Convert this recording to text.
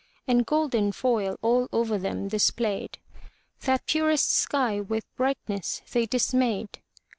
And golden foil all over them displayed, That purest sky with brightness they dismayed.